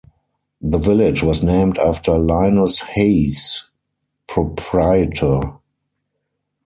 The village was named after Linus Hayes, proprietor.